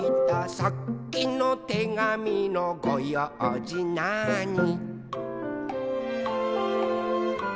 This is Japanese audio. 「さっきのてがみのごようじなーに」